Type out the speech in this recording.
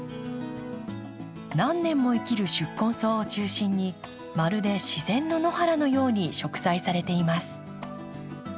何年も生きる宿根草を中心にまるで自然の野原のように植栽されています。